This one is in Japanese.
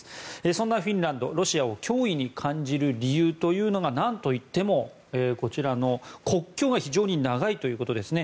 そんなフィンランド、ロシアを脅威に感じる理由というのがなんといってもこちらの国境が非常に長いということです。